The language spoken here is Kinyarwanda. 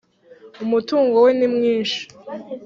Umutungo we nimwishi.